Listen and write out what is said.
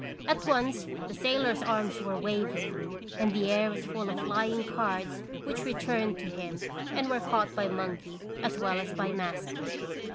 At once the sailor's arms were waving, and the air was full of flying cards which returned to him and were caught by monkey as well as by master.